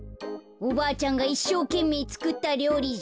おばあちゃんがいっしょうけんめいつくったりょうりじゃ。